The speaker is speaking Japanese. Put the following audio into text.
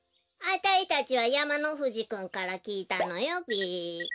あたいたちはやまのふじくんからきいたのよべ。